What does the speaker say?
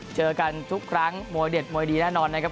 เจอกันทุกครั้งมวยเด็ดมวยดีแน่นอนนะครับ